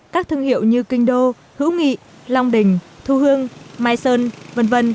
các thương hiệu như kinh đô hữu nghị long đình thu hương mai sơn v v